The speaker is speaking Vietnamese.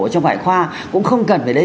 trong ngoại khoa cũng không cần phải đấy